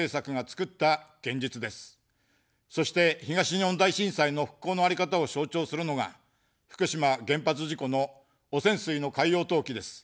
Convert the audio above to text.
そして、東日本大震災の復興のあり方を象徴するのが福島原発事故の汚染水の海洋投棄です。